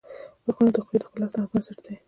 • غاښونه د خولې د ښکلا بنسټ دي.